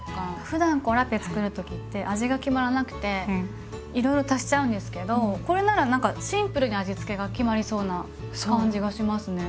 ふだんラペつくる時って味が決まらなくて色々足しちゃうんですけどこれなら何かシンプルに味付けが決まりそうな感じがしますね。